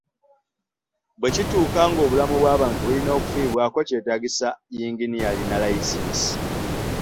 Bwe kituuka nga obulamu bw'abantu bulina okufiibwako, kyetaagisa yinginiya alina layisinsi.